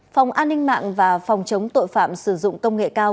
phòng an ninh mạng và phòng chống tội phạm sử dụng công nghệ cao